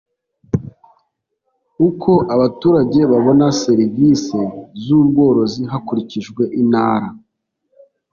uko abaturage babona ser isi z ubworozi hakurikijwe intara